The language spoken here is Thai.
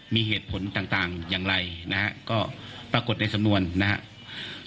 มีเหตุผลต่างอย่างไรนะฮะก็ปรากฏในสำนวนนะครับ